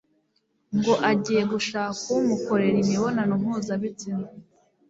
ngo agiye gushaka umukorera imibonano mpuzabitsina